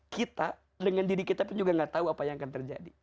kita dengan diri kita pun juga gak tahu apa yang akan terjadi